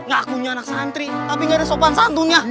ngakunya anak santri tapi gak ada sopan santunnya